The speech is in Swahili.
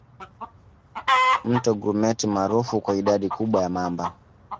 Mto Grumeti maarufu kwa idadi kubwa ya mamba